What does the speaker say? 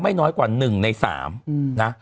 ไม่น้อยกว่า๑ใน๓นะ